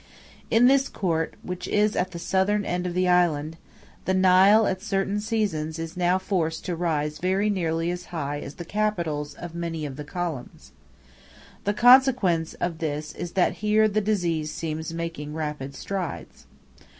In this court, which is at the southern end of the island, the Nile at certain seasons is now forced to rise very nearly as high as the capitals of many of the columns. The consequence of this is that here the disease seems making rapid strides.